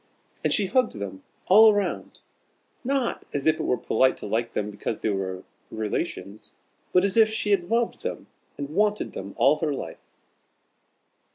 And she hugged them all round, not as if it was polite to like them because they were relations, but as if she had loved them and wanted them all her life.